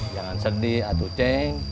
jangan sedih atuh ceng